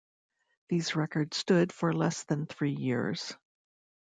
These records stood for less than three years.